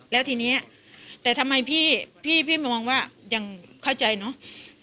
แล้วทีนี้แต่ทำไมพี่มามองว่ายังเข้าใจเนอะ